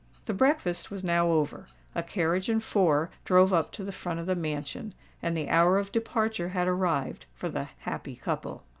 The breakfast was now over; a carriage and four drove up to the front of the mansion; and the hour of departure had arrived for the "happy couple."